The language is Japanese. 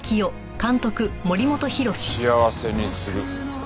「幸せにする」か。